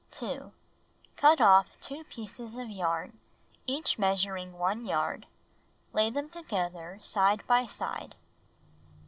2. Cut off 2 pieces of yarn, each measuring 1 yard, lay them together, side by side.